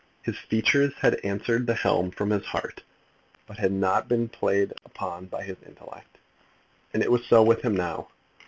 His features had answered the helm from his heart, but had not been played upon by his intellect. And it was so with him now.